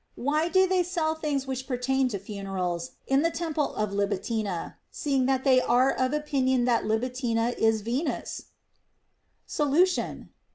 Why do they sell things which pertain to funerals in the temple of Libitina, seeing they are of opinion that Libitina is Venus % Solution.